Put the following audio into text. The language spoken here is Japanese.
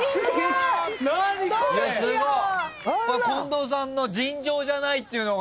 近藤さんの尋常じゃないっていうのが。